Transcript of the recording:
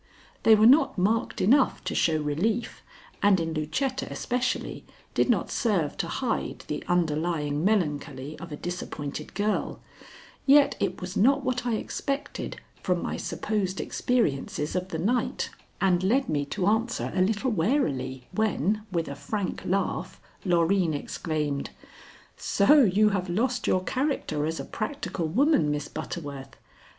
They were not marked enough to show relief, and in Lucetta especially did not serve to hide the underlying melancholy of a disappointed girl, yet it was not what I expected from my supposed experiences of the night, and led me to answer a little warily when, with a frank laugh, Loreen exclaimed: "So you have lost your character as a practical woman, Miss Butterworth?